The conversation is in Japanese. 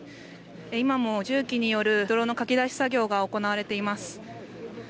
今も重機による泥のかき出し作業が行われています。